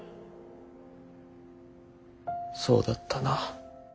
そうだったな。